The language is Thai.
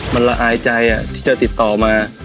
มันละอายใจที่จะติดต่อมา